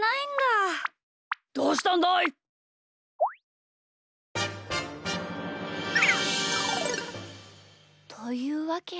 どうしたんだい？というわけなんだ。